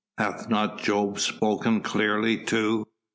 Hath not Jove spoken clearly too?